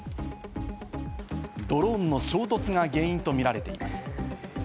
ドローンの衝突が原因とみられています。